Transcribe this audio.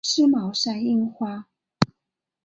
刺毛山樱花